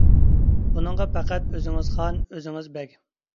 ئۇنىڭغا پەقەت ئۆزىڭىز خان، ئۆزىڭىز بەگ.